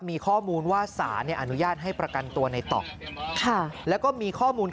มีข้อมูลว่าสารเนี่ยอนุญาตให้ประกันตัวในต่อค่ะแล้วก็มีข้อมูล